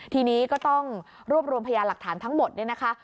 ทีนี้ก็ต้องรวบรวมพยาหลักฐานทั้งหมดเนี่ยนะคะ